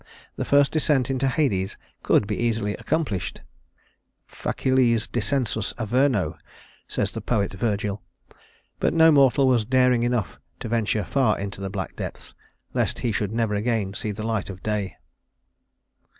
The first descent into Hades could be easily accomplished (facilis descensus Averno, says the poet Virgil); but no mortal was daring enough to venture far into the black depths, lest he should never again see the light of day.